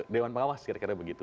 dewan pengawas kira kira begitu